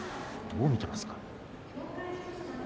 どう見ていますか？